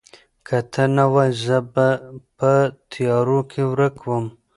که ته نه وای، زه به په تیارو کې ورک وم.